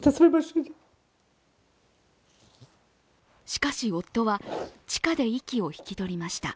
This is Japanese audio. しかし、夫は地下で息を引き取りました。